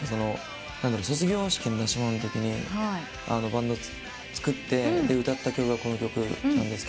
卒業式の出し物のときにバンドを作って歌った曲がこの曲なんですけど。